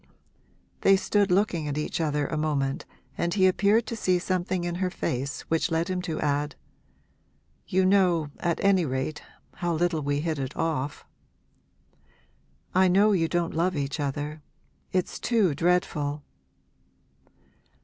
They stood looking at each other a moment and he appeared to see something in her face which led him to add 'You know, at any rate, how little we hit it off.' 'I know you don't love each other it's too dreadful.'